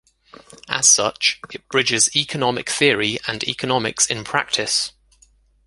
As such, it bridges economic theory and economics in practice.